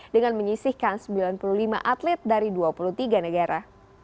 dengan menyisihkan sembilan puluh lima atlet dari dua puluh tiga negara